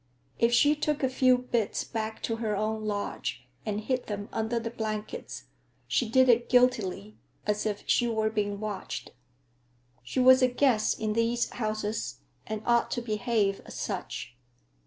If she took a few bits back to her own lodge and hid them under the blankets, she did it guiltily, as if she were being watched. She was a guest in these houses, and ought to behave as such.